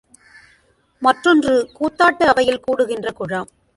மற்றொன்று கூத்தாட்டு அவையில் கூடுகின்ற குழாம்.